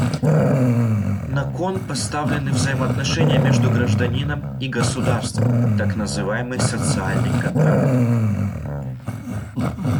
На кон поставлены взаимоотношения между гражданином и государством — так называемый «социальный контракт».